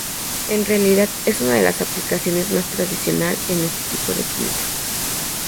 En realidad es una de las aplicaciones más tradicional en este tipo de química.